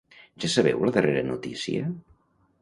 Ja sabeu la darrera notícia?